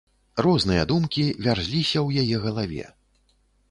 Розныя думкі вярзліся ў яе галаве.